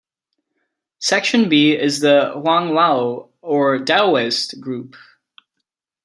Section B is the "Huang-Lao" or "Daoist" group.